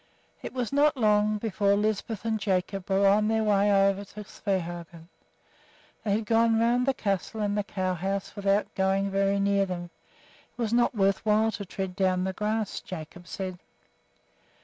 It was not long before Lisbeth and Jacob were on their way over to Svehaugen. They had gone round the castle and the cow house without going very near them, it was not worth while to tread down the grass, Jacob said.